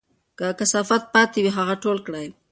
که کثافات پاتې وي، هغه ټول کړئ.